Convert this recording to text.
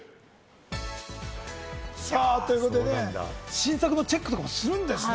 新作のチェックもするんですね。